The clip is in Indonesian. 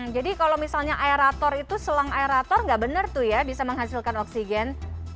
jadi kalau misalnya aerator itu selang aerator nggak benar tuh ya bisa menghasilkan oksigen